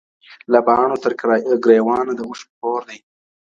له باڼو تر ګرېوانه د اوښكو كور دئ.